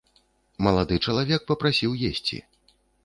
Малады чалавек папрасіў есці.